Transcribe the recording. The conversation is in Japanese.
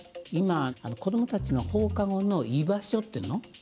今子どもたちの放課後の居場所っていうの？